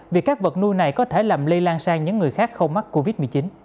vì các vật nuôi này có thể làm lây lan sang những người khác không mắc covid một mươi chín